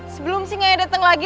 sebelum singanya datang lagi